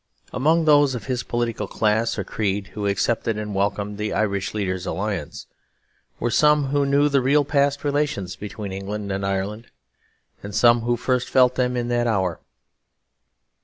Among those of his political class or creed who accepted and welcomed the Irish leader's alliance, there were some who knew the real past relations between England and Ireland, and some who first felt them in that hour.